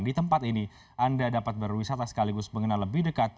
di tempat ini anda dapat berwisata sekaligus mengenal lebih dekat